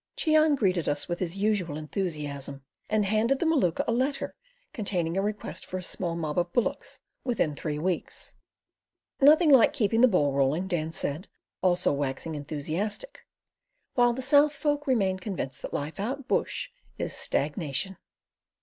Cheon greeted us with his usual enthusiasm, and handed the Maluka a letter containing a request for a small mob of bullocks within three weeks. "Nothing like keeping the ball rolling,", Dan said, also waxing enthusiastic, while the South folk remained convinced that life out bush is stagnation.